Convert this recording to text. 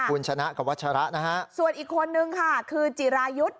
คุณชนะกับวัชระนะฮะส่วนอีกคนนึงค่ะคือจิรายุทธ์